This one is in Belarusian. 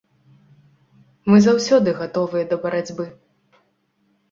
Мы заўсёды гатовыя да барацьбы.